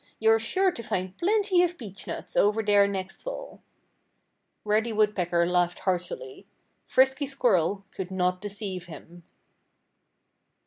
You're sure to find plenty of beechnuts over there next fall." Reddy Woodpecker laughed heartily. Frisky Squirrel could not deceive him.